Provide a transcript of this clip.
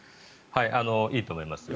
いいと思います。